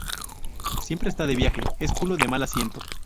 Siempre está de viaje, es culo de mal asiento